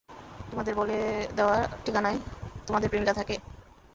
তোমাদের বলা দেওয়া ঠিকানায়, তোমাদের প্রেমিকা থাকে?